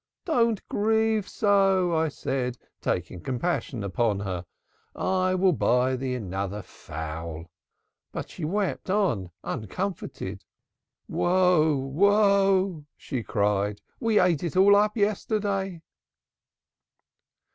'Do not grieve so,' I said, taking compassion upon her, 'I will buy thee another fowl.' But she wept on, uncomforted. 'O woe! woe!' she cried. 'We ate it all up yesterday.'"